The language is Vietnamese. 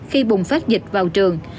khi bùng phát dịch vào trường